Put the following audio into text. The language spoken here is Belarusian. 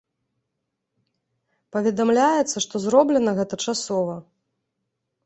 Паведамляецца, што зроблена гэта часова.